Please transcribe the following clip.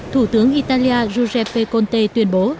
thủ tướng italia giuseppe conte tuyên bố